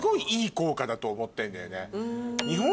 だと思ってんだよね。